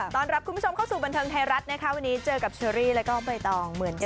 ต้อนรับคุณผู้ชมเข้าสู่บันเทิงไทยรัฐนะคะวันนี้เจอกับเชอรี่แล้วก็ใบตองเหมือนเดิม